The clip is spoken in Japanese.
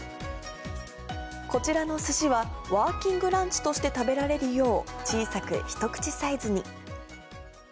こちらのすしは、ワーキングランチとして食べられるよう、小さく一口サイズに。